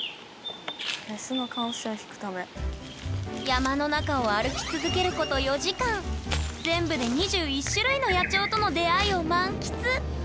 山の中を歩き続けること４時間全部で２１種類の野鳥との出会いを満喫！